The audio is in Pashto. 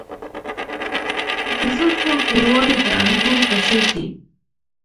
د زلفو توروالی د انګورو په څیر دی.